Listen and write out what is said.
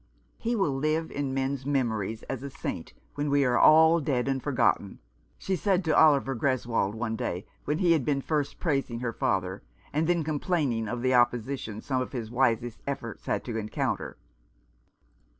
" He will live in men's memories as a saint when we are all dead and forgotten," she said to Oliver Greswold one day, when he had been first praising her father, and then complaining of the opposition some of his wisest efforts had to encounter.